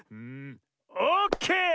オッケー！